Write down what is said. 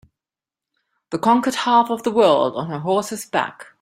The conquered half of the world on her horse's back.